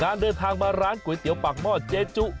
เดินทางมาร้านก๋วยเตี๋ยวปากหม้อเจจุ